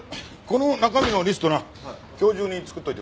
この中身のリストな今日中に作っておいてくれ。